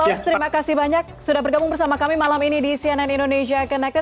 korps terima kasih banyak sudah bergabung bersama kami malam ini di cnn indonesia connected